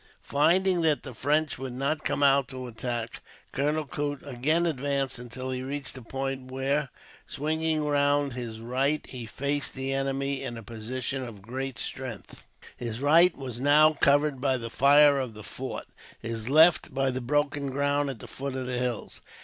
Finding that the French would not come out to attack, Colonel Coote again advanced until he reached a point where, swinging round his right, he faced the enemy in a position of great strength. His right was now covered by the fire of the fort, his left by the broken ground at the foot of the hills.